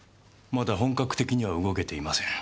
まだ本格的には動けていません。